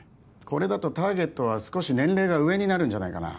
これだとターゲットは少し年齢が上になるんじゃないかな